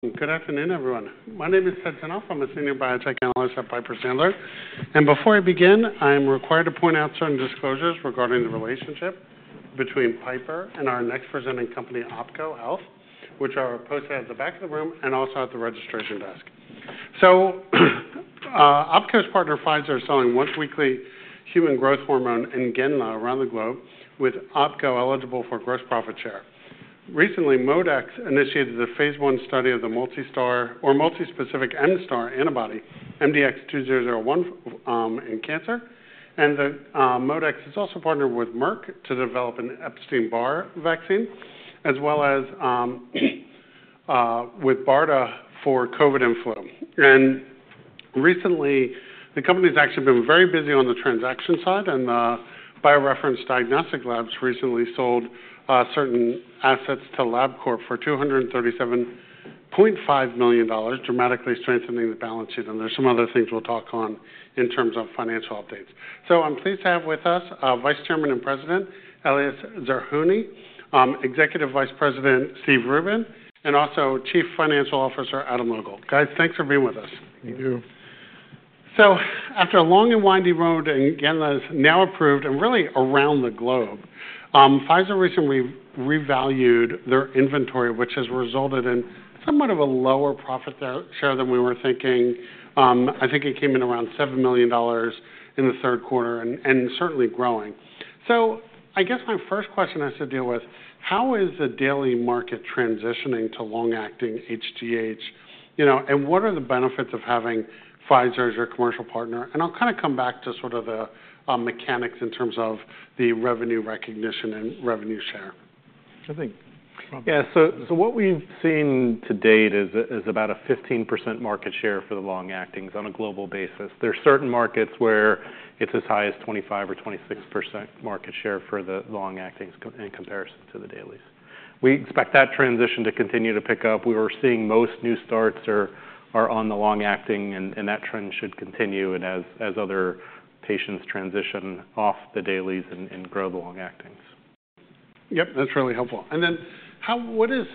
Good afternoon, everyone. My name is Ted Tenthoff. I'm a senior biotech analyst at Piper Sandler, and before I begin, I am required to point out certain disclosures regarding the relationship between Piper and our next presenting company, OPKO Health, which are posted at the back of the room and also at the registration desk, so OPKO's partner, Pfizer, is selling once-weekly human growth hormone Ngenla around the globe, with OPKO eligible for gross profit share. Recently, ModeX initiated the phase one study of the multispecific MSTAR antibody, MDX-2001, in cancer, and ModeX has also partnered with Merck to develop an Epstein-Barr vaccine, as well as with BARDA for COVID and flu, and recently, the company has actually been very busy on the transaction side, and the BioReference Diagnostic Labs recently sold certain assets to LabCorp for $237.5 million, dramatically strengthening the balance sheet. There are some other things we'll talk on in terms of financial updates. I'm pleased to have with us Vice Chairman and President Elias Zerhouni, Executive Vice President Steve Rubin, and also Chief Financial Officer Adam Logal. Guys, thanks for being with us. Thank you. So after a long and winding road, and Ngenla now approved and really around the globe, Pfizer recently revalued their inventory, which has resulted in somewhat of a lower profit share than we were thinking. I think it came in around $7 million in the third quarter and certainly growing. So I guess my first question has to deal with, how is the daily market transitioning to long-acting HGH? And what are the benefits of having Pfizer as your commercial partner? And I'll kind of come back to sort of the mechanics in terms of the revenue recognition and revenue share. I think. Yeah. So what we've seen to date is about a 15% market share for the long-actings on a global basis. There are certain markets where it's as high as 25% or 26% market share for the long-actings in comparison to the dailies. We expect that transition to continue to pick up. We were seeing most new starts are on the long-acting, and that trend should continue as other patients transition off the dailies and grow the long-actings. Yep, that's really helpful. And then what does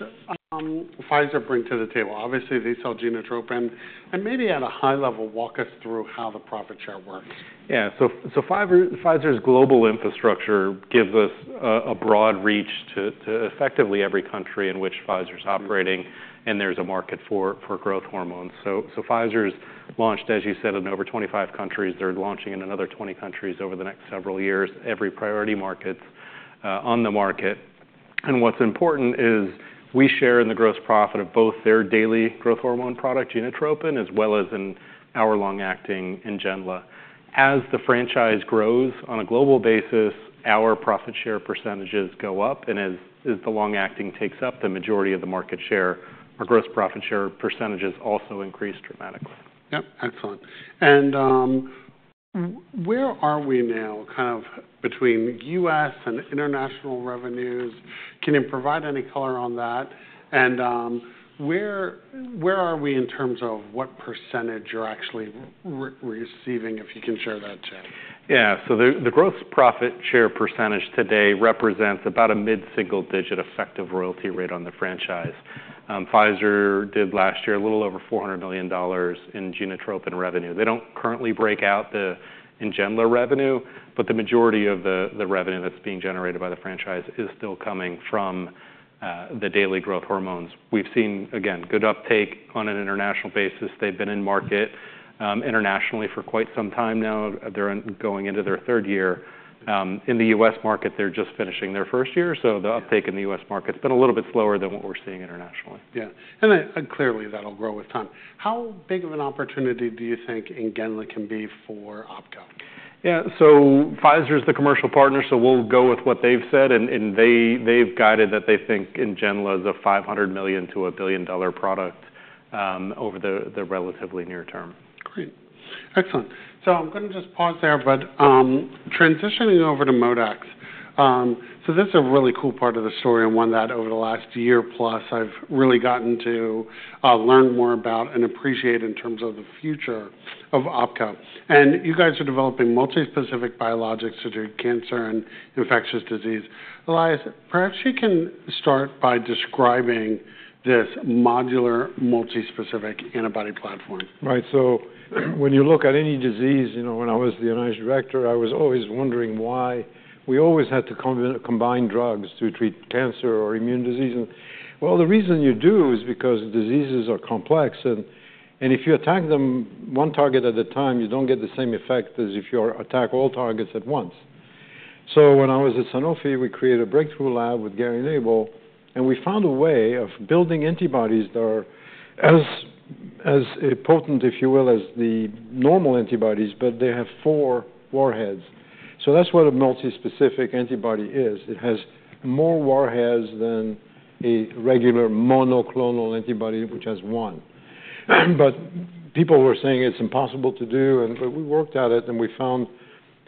Pfizer bring to the table? Obviously, they sell Genotropin. And maybe at a high level, walk us through how the profit share works. Yeah. So Pfizer's global infrastructure gives us a broad reach to effectively every country in which Pfizer's operating, and there's a market for growth hormones. So Pfizer's launched, as you said, in over 25 countries. They're launching in another 20 countries over the next several years, every priority market on the market. And what's important is we share in the gross profit of both their daily growth hormone product, Genotropin, as well as a long-acting Ngenla. As the franchise grows on a global basis, our profit share percentages go up. And as the long-acting takes up the majority of the market share, our gross profit share percentages also increase dramatically. Yep, excellent. And where are we now kind of between U.S. and international revenues? Can you provide any color on that? And where are we in terms of what percentage you're actually receiving, if you can share that too? Yeah. So the gross profit share percentage today represents about a mid-single-digit effective royalty rate on the franchise. Pfizer did last year a little over $400 million in Genotropin and revenue. They don't currently break out the Ngenla revenue, but the majority of the revenue that's being generated by the franchise is still coming from the daily growth hormones. We've seen, again, good uptake on an international basis. They've been in market internationally for quite some time now. They're going into their third year. In the U.S. market, they're just finishing their first year. So the uptake in the U.S. market's been a little bit slower than what we're seeing internationally. Yeah. And clearly, that'll grow with time. How big of an opportunity do you think Ngenla can be for OPKO? Yeah. So Pfizer's the commercial partner, so we'll go with what they've said. And they've guided that they think Ngenla is a $500 million to $1 billion product over the relatively near term. Great. Excellent. So I'm going to just pause there. But transitioning over to ModeX, so this is a really cool part of the story and one that over the last year plus I've really gotten to learn more about and appreciate in terms of the future of OPKO. And you guys are developing multispecific biologics to treat cancer and infectious disease. Elias, perhaps you can start by describing this modular multispecific antibody platform. Right, so when you look at any disease, when I was the NIH director, I was always wondering why we always had to combine drugs to treat cancer or immune disease, and well, the reason you do is because diseases are complex. And if you attack them one target at a time, you don't get the same effect as if you attack all targets at once, so when I was at Sanofi, we created a breakthrough lab with Gary Nabel, and we found a way of building antibodies that are as potent, if you will, as the normal antibodies, but they have four warheads. So that's what a multispecific antibody is. It has more warheads than a regular monoclonal antibody, which has one, but people were saying it's impossible to do, and we worked at it, and we found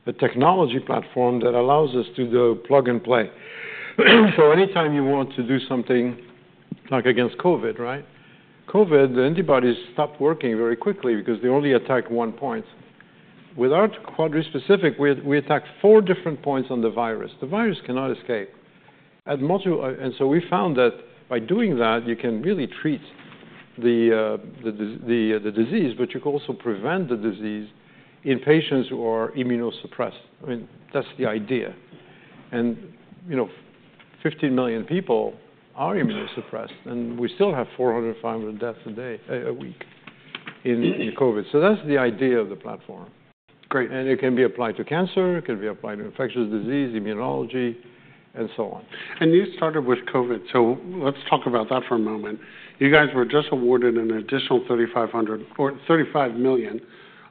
a technology platform that allows us to do plug and play. So, anytime you want to do something like against COVID, right? COVID, the antibodies stopped working very quickly because they only attack one point. With our quadrispecific, we attack four different points on the virus. The virus cannot escape. And so we found that by doing that, you can really treat the disease, but you can also prevent the disease in patients who are immunosuppressed. I mean, that's the idea. And 15 million people are immunosuppressed, and we still have 400-500 deaths a week in COVID. So that's the idea of the platform. And it can be applied to cancer. It can be applied to infectious disease, immunology, and so on. And you started with COVID. So let's talk about that for a moment. You guys were just awarded an additional $35 million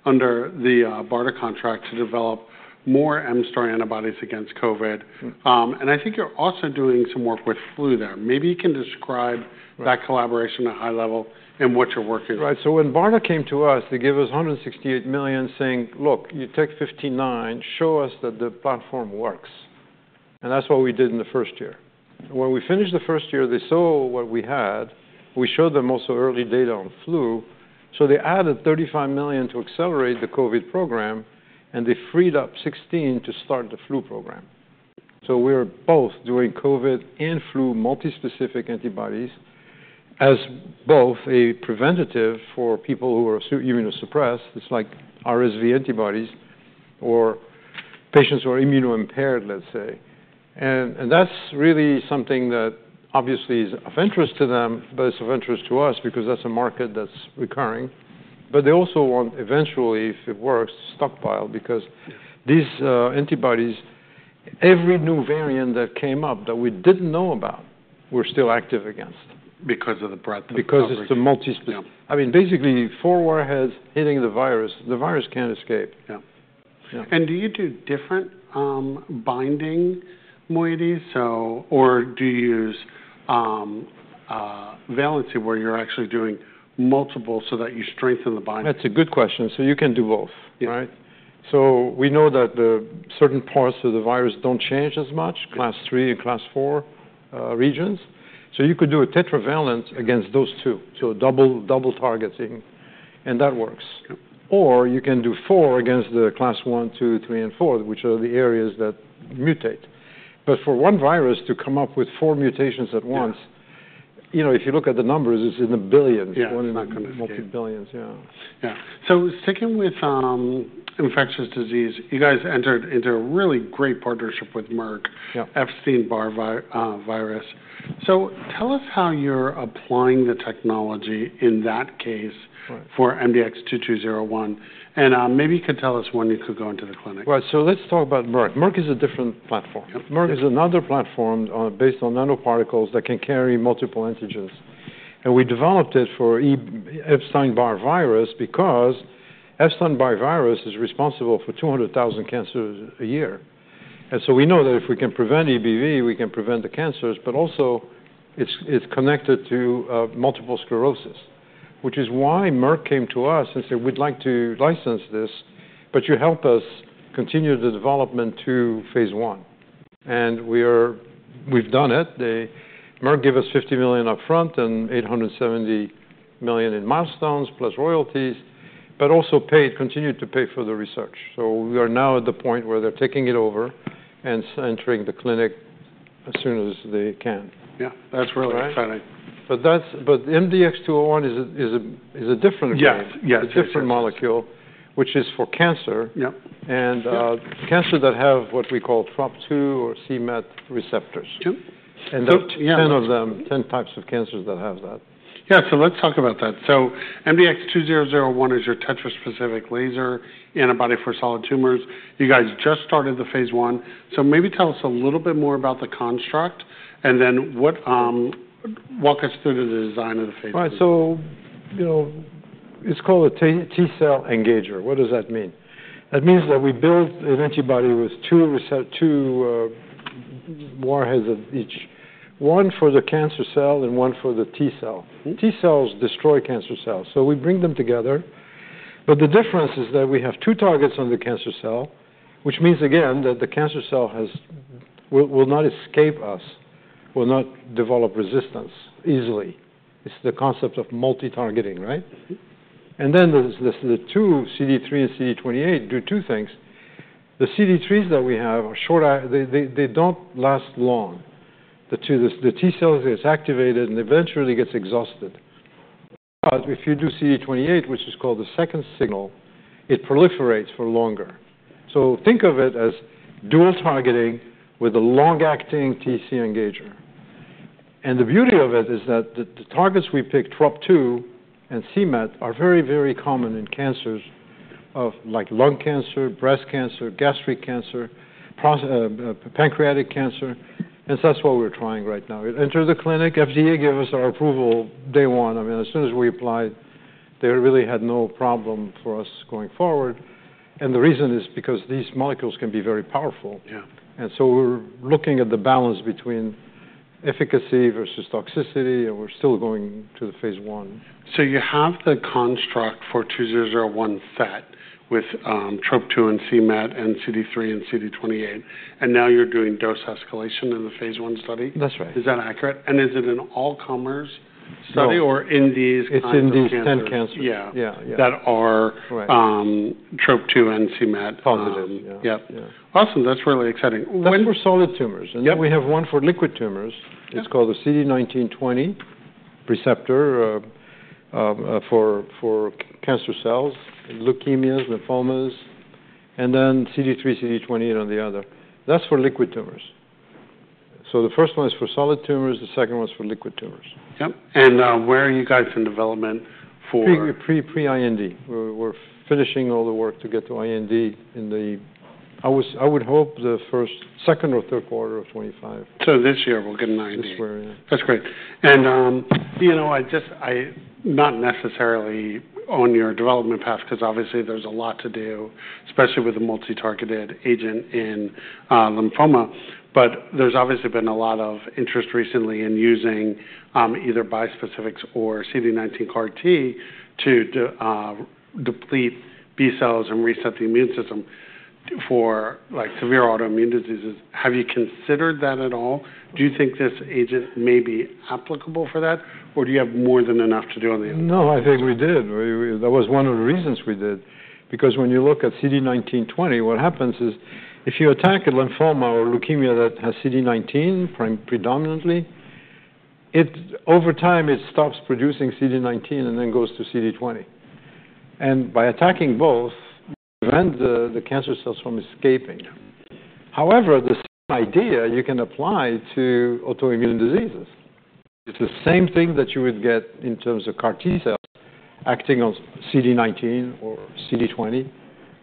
under the BARDA contract to develop more MSTAR antibodies against COVID. And I think you're also doing some work with flu there. Maybe you can describe that collaboration at a high level and what you're working on. Right. So when BARDA came to us, they gave us $168 million saying, "Look, you take 59, show us that the platform works." And that's what we did in the first year. When we finished the first year, they saw what we had. We showed them also early data on flu. So they added $35 million to accelerate the COVID program, and they freed up 16 to start the flu program. So we are both doing COVID and flu multispecific antibodies as both a preventative for people who are immunosuppressed. It's like RSV antibodies or patients who are immuno-impaired, let's say. And that's really something that obviously is of interest to them, but it's of interest to us because that's a market that's recurring. But they also want eventually, if it works, to stockpile because these antibodies, every new variant that came up that we didn't know about, we're still active against. Because of the breadth of the. Because it's the multispecific. I mean, basically, four warheads hitting the virus. The virus can't escape. Yeah. And do you do different binding moieties? Or do you use valency where you're actually doing multiple so that you strengthen the binding? That's a good question. So you can do both, right? So we know that certain parts of the virus don't change as much, class three and class four regions. So you could do a tetravalent against those two, so double targeting. And that works. Or you can do four against the class one, two, three, and four, which are the areas that mutate. But for one virus to come up with four mutations at once, if you look at the numbers, it's in the billions. Yeah, it's not going to fit. Multi-billions, yeah. Yeah. So sticking with infectious disease, you guys entered into a really great partnership with Merck, Epstein-Barr virus. So tell us how you're applying the technology in that case for MDX-2201. And maybe you could tell us when you could go into the clinic. Right. So let's talk about Merck. Merck is a different platform. Merck is another platform based on nanoparticles that can carry multiple antigens. And we developed it for Epstein-Barr virus because Epstein-Barr virus is responsible for 200,000 cancers a year. And so we know that if we can prevent EBV, we can prevent the cancers. But also, it's connected to multiple sclerosis, which is why Merck came to us and said, "We'd like to license this, but you help us continue the development to phase one." And we've done it. Merck gave us $50 million upfront and $870 million in milestones plus royalties, but also continued to pay for the research. So we are now at the point where they're taking it over and entering the clinic as soon as they can. Yeah. That's really exciting. MDX-2001 is a different game. It's a different molecule, which is for cancer, and cancers that have what we call TROP2 or c-MET receptors. There are 10 types of cancers that have that. Yeah. So let's talk about that. So MDX-2001 is your tetraspecific T-cell engager antibody for solid tumors. You guys just started the phase 1. So maybe tell us a little bit more about the construct and then walk us through the design of the phase 1. Right. So it's called a T-cell engager. What does that mean? That means that we build an antibody with two warheads of each, one for the cancer cell and one for the T-cell. T-cells destroy cancer cells. So we bring them together. But the difference is that we have two targets on the cancer cell, which means, again, that the cancer cell will not escape us, will not develop resistance easily. It's the concept of multi-targeting, right? And then the two CD3 and CD28 do two things. The CD3s that we have are short. They don't last long. The T-cell gets activated and eventually gets exhausted. But if you do CD28, which is called the second signal, it proliferates for longer. So think of it as dual targeting with a long-acting TC engager. And the beauty of it is that the targets we pick, TROP2 and c-MET, are very, very common in cancers like lung cancer, breast cancer, gastric cancer, pancreatic cancer. And so that's what we're trying right now. It entered the clinic. FDA gave us our approval day one. I mean, as soon as we applied, they really had no problem for us going forward. And the reason is because these molecules can be very powerful. And so we're looking at the balance between efficacy versus toxicity, and we're still going to the phase one. You have the construct for MDX-2001 with TROP2 and c-MET and CD3 and CD28. Now you're doing dose escalation in the phase one study. That's right. Is that accurate, and is it an all-comers study or in these kinds of cancers? It's in these 10 cancers that are TROP2 and c-MET positive. Positive. Yep. Awesome. That's really exciting. That's for solid tumors, and then we have one for liquid tumors. It's called the CD1920 receptor for cancer cells, leukemias, lymphomas. And then CD3, CD28 on the other. That's for liquid tumors, so the first one is for solid tumors. The second one's for liquid tumors. Yep. And where are you guys in development for? Pre-IND. We're finishing all the work to get to IND in the, I would hope, second or third quarter of 2025. This year, we'll get an IND. This year, yeah. That's great. And not necessarily on your development path because obviously there's a lot to do, especially with the multitargeted agent in lymphoma. But there's obviously been a lot of interest recently in using either bispecifics or CD19 CAR T to deplete B cells and reset the immune system for severe autoimmune diseases. Have you considered that at all? Do you think this agent may be applicable for that? Or do you have more than enough to do on the other? No, I think we did. That was one of the reasons we did. Because when you look at CD19/20, what happens is if you attack a lymphoma or leukemia that has CD19 predominantly, over time, it stops producing CD19 and then goes to CD20. And by attacking both, you prevent the cancer cells from escaping. However, the same idea you can apply to autoimmune diseases. It's the same thing that you would get in terms of CAR T cells acting on CD19 or CD20.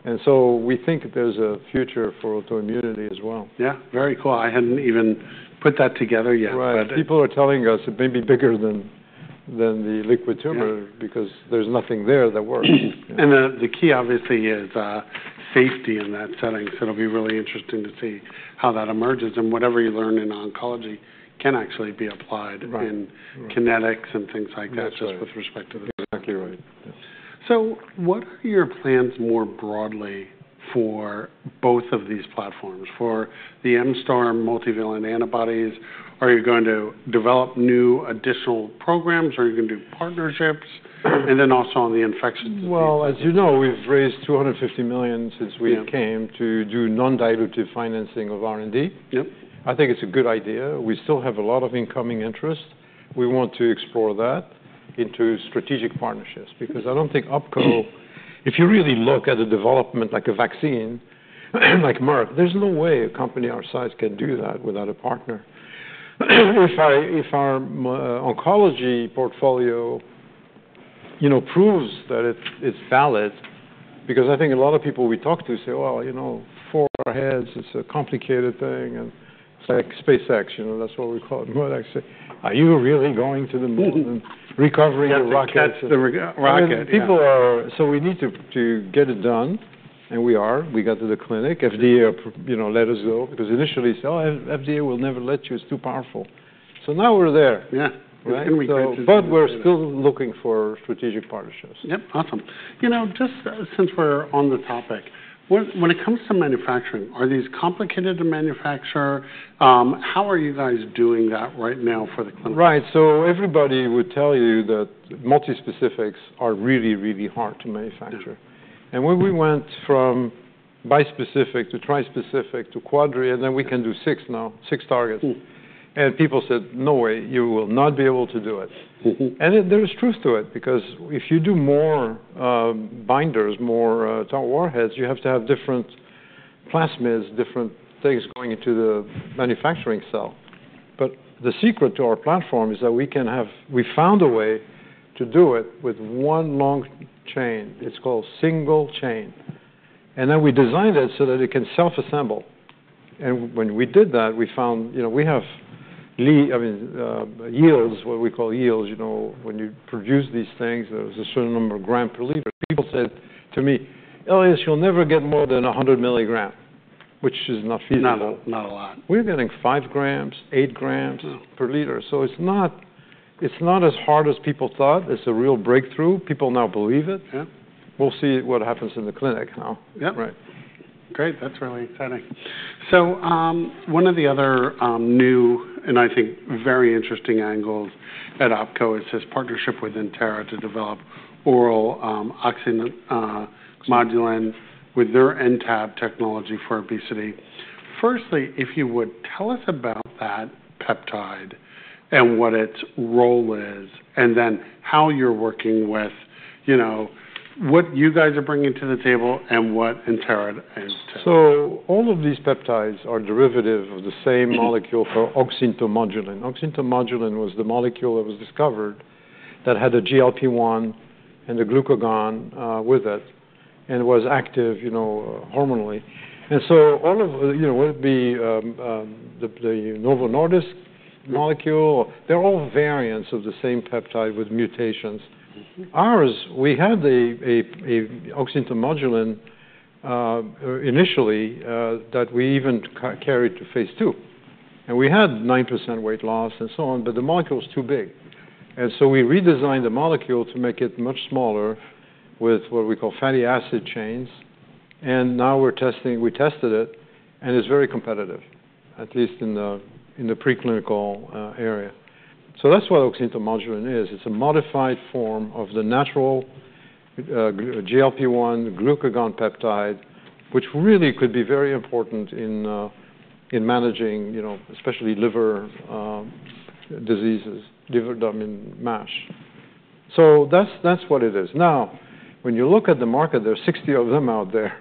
And so we think there's a future for autoimmunity as well. Yeah. Very cool. I hadn't even put that together yet, but. Right. People are telling us it may be bigger than the liquid tumor because there's nothing there that works. The key obviously is safety in that setting. So it'll be really interesting to see how that emerges. Whatever you learn in oncology can actually be applied in kinetics and things like that, just with respect to the. Exactly right. So what are your plans more broadly for both of these platforms? For the MSTAR multivalent antibodies, are you going to develop new additional programs? Are you going to do partnerships? And then also on the infectious disease. As you know, we've raised $250 million since we came to do non-dilutive financing of R&D. I think it's a good idea. We still have a lot of incoming interest. We want to explore that into strategic partnerships because I don't think OPKO, if you really look at the development like a vaccine like Merck, there's no way a company our size can do that without a partner. If our oncology portfolio proves that it's valid, because I think a lot of people we talk to say, "Well, four warheads, it's a complicated thing." And SpaceX, that's what we call it. Are you really going to the moon and recovering the rockets? That's the rocket. So we need to get it done. And we are. We got to the clinic. FDA let us go because initially they said, "Oh, FDA will never let you. It's too powerful." So now we're there. Yeah. But we're still looking for strategic partnerships. Yep. Awesome. Just since we're on the topic, when it comes to manufacturing, are these complicated to manufacture? How are you guys doing that right now for the clinical? Right. So everybody would tell you that multispecifics are really, really hard to manufacture. And when we went from bispecific to trispecific to quadri, and then we can do six now, six targets. And people said, "No way. You will not be able to do it." And there is truth to it because if you do more binders, more warheads, you have to have different plasmids, different things going into the manufacturing cell. But the secret to our platform is that we found a way to do it with one long chain. It's called single chain. And then we designed it so that it can self-assemble. And when we did that, we found we have yields, what we call yields. When you produce these things, there's a certain number of grams per liter. People said to me, "Elias, you'll never get more than 100 milligrams," which is not feasible. Not a lot. We're getting 5 grams, 8 grams per liter. So it's not as hard as people thought. It's a real breakthrough. People now believe it. We'll see what happens in the clinic now. Yep. Great. That's really exciting. So one of the other new and I think very interesting angles at OPKO is his partnership with Entera to develop oral oxyntomodulin with their N-Tab technology for obesity. Firstly, if you would tell us about that peptide and what its role is, and then how you're working with what you guys are bringing to the table and what Entera is to. So all of these peptides are derivative of the same molecule for oxyntomodulin. Oxyntomodulin was the molecule that was discovered that had a GLP-1 and a glucagon with it and was active hormonally. And so whether it be the Novo Nordisk molecule, they're all variants of the same peptide with mutations. Ours, we had an oxyntomodulin initially that we even carried to phase 2. And we had 9% weight loss and so on, but the molecule was too big. And so we redesigned the molecule to make it much smaller with what we call fatty acid chains. And now we're testing. We tested it, and it's very competitive, at least in the preclinical area. So that's what oxyntomodulin is. It's a modified form of the natural GLP-1 glucagon peptide, which really could be very important in managing especially liver diseases, liver disease in MASH. So that's what it is. Now, when you look at the market, there are 60 of them out there,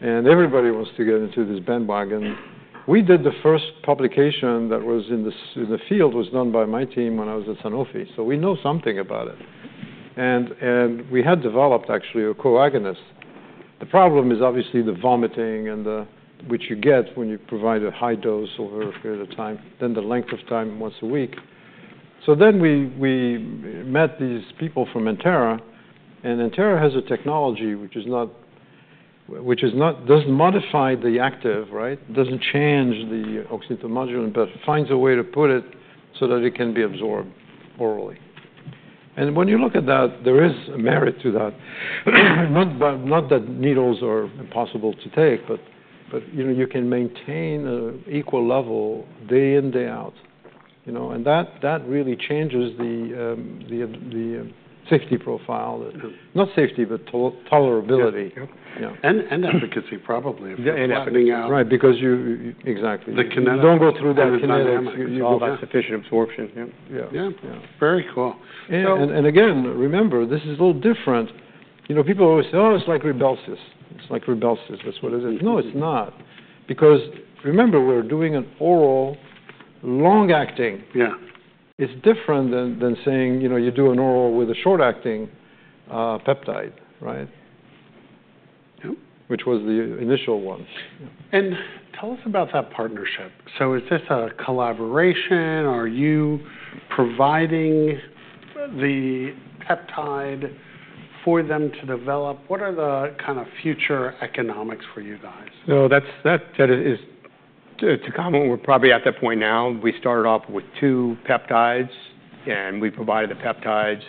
and everybody wants to get into this bandwagon. We did the first publication that was in the field was done by my team when I was at Sanofi. So we know something about it. And we had developed actually a coagonist. The problem is obviously the vomiting and which you get when you provide a high dose over a period of time, then the length of time once a week. So then we met these people from Entera. And Entera has a technology which doesn't modify the active, right? It doesn't change the oxyntomodulin, but finds a way to put it so that it can be absorbed orally. And when you look at that, there is merit to that. Not that needles are impossible to take, but you can maintain an equal level day in, day out, and that really changes the safety profile. Not safety, but tolerability. Efficacy, probably, if it's happening out. Right. Because you don't go through that enzyme. You don't have sufficient absorption. Yeah. Yeah. Very cool. Again, remember, this is a little different. People always say, "Oh, it's like Rybelsus." It's like Rybelsus. That's what it is. No, it's not. Because remember, we're doing an oral long-acting. It's different than saying you do an oral with a short-acting peptide, right? Yep. Which was the initial one. And tell us about that partnership. So is this a collaboration? Are you providing the peptide for them to develop? What are the kind of future economics for you guys? No, that is to come. We're probably at that point now. We started off with two peptides, and we provided the peptides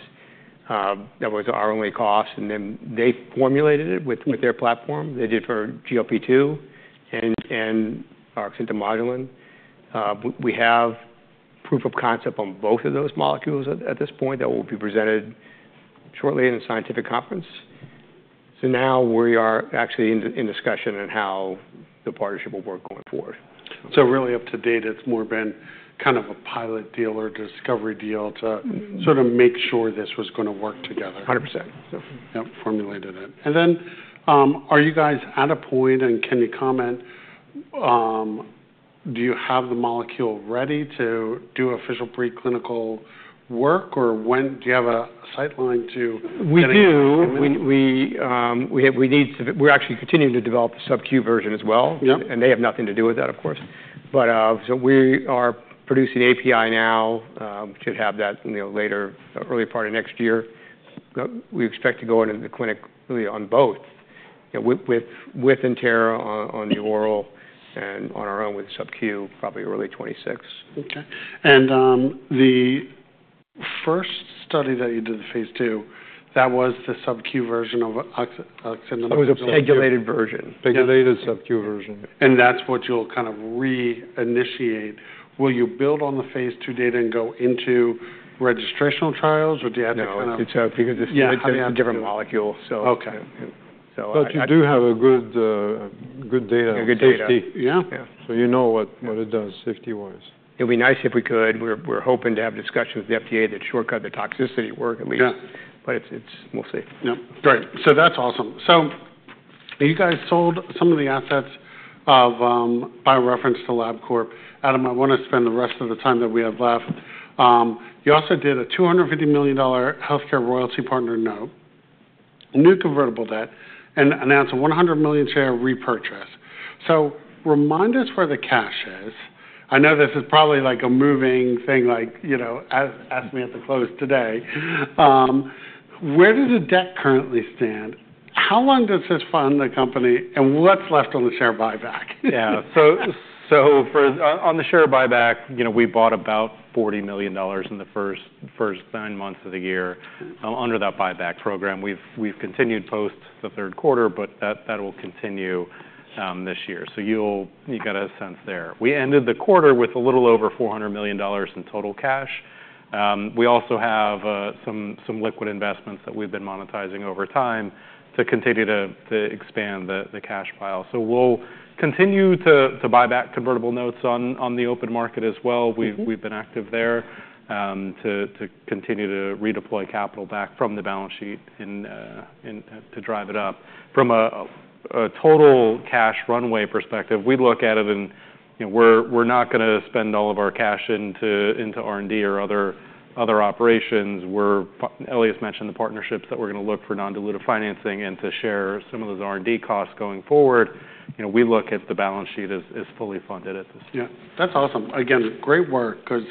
that was our only cost. They formulated it with their platform. They did for GLP-2 and oxyntomodulin. We have proof of concept on both of those molecules at this point that will be presented shortly in a scientific conference. We are actually in discussion on how the partnership will work going forward. Really up to date, it's more been kind of a pilot deal or discovery deal to sort of make sure this was going to work together. 100%. Yep. Formulated it. And then, are you guys at a point, and can you comment? Do you have the molecule ready to do official preclinical work? Or do you have a line of sight to? We do. We're actually continuing to develop the subQ version as well. And they have nothing to do with that, of course. So we are producing API now. We should have that in the early part of next year. We expect to go into the clinic really on both with Entera on the oral and on our own with subQ, probably early 2026. Okay, and the first study that you did in phase two, that was the subQ version of oxyntomodulin? It was a pegylated version. Pegylated subQ version. And that's what you'll kind of reinitiate. Will you build on the phase two data and go into registrational trials, or do you have to kind of? No, because it's a different molecule. Okay. But you do have good data. You have good data. Safety. Yeah. So you know what it does safety-wise. It would be nice if we could. We're hoping to have discussions with the FDA that shortcut the toxicity work at least. But we'll see. Yep. Great. So that's awesome. So you guys sold some of the assets of BioReference to LabCorp. Adam, I want to spend the rest of the time that we have left. You also did a $250 million HealthCare Royalty Partners note, new convertible debt, and announced a $100 million share repurchase. So remind us where the cash is. I know this is probably like a moving thing. Ask me at the close today. Where does the debt currently stand? How long does this fund the company? And what's left on the share buyback? Yeah. So on the share buyback, we bought about $40 million in the first nine months of the year under that buyback program. We've continued post the third quarter, but that will continue this year. So you got a sense there. We ended the quarter with a little over $400 million in total cash. We also have some liquid investments that we've been monetizing over time to continue to expand the cash pile. So we'll continue to buy back convertible notes on the open market as well. We've been active there to continue to redeploy capital back from the balance sheet to drive it up. From a total cash runway perspective, we look at it and we're not going to spend all of our cash into R&D or other operations. Elias mentioned the partnerships that we're going to look for non-dilutive financing and to share some of those R&D costs going forward. We look at the balance sheet as fully funded at this point. Yeah. That's awesome. Again, great work because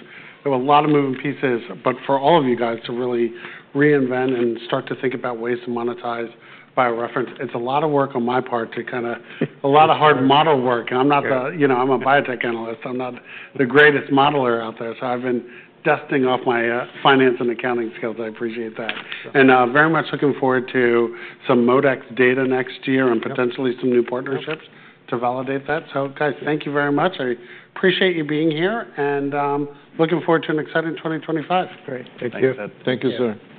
there were a lot of moving pieces, but for all of you guys to really reinvent and start to think about ways to monetize BioReference, it's a lot of work on my part to kind of a lot of hard model work. And I'm not. I'm a biotech analyst. I'm not the greatest modeler out there. So I've been dusting off my finance and accounting skills. I appreciate that. And very much looking forward to some ModeX data next year and potentially some new partnerships to validate that. So guys, thank you very much. I appreciate you being here and looking forward to an exciting 2025. Great. Thank you. Thank you, sir.